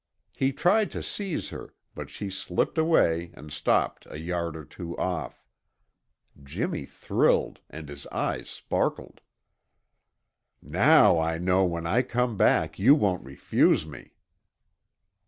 He tried to seize her, but she slipped away and stopped a yard or two off. Jimmy thrilled and his eyes sparkled. "Now I know when I come back you won't refuse me."